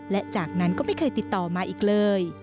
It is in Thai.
และจากนั้นก็ไม่เคยติดต่อมาอีกเลย